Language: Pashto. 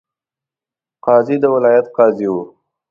قاضي د ولایت قاضي وو.